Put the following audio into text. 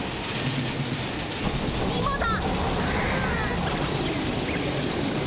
今だ！